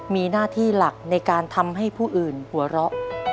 มีหน้าที่หลักในการทำให้ผู้อื่นหัวเราะ